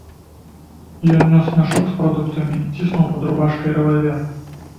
Ён нёс мяшок з прадуктамі і ціснуў пад рубашкай рэвальвер.